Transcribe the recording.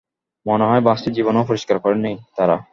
মনে হয় বাসটি জীবনেও পরিষ্কার করেনি তারা।